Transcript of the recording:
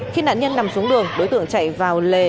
khi nạn nhân nằm xuống đường đối tượng chạy vào lề